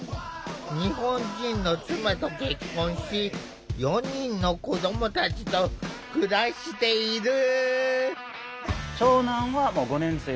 日本人の妻と結婚し４人の子どもたちと暮らしている。